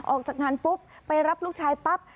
ออกจากงานปุ๊บไปรับลูกชายปั๊บ